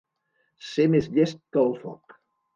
Ser més llest que el foc.